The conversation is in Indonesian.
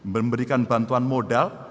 memberikan bantuan modal